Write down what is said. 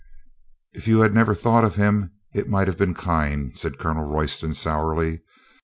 "If you had never thought of him, it might have been kind," said Colonel Royston sourly.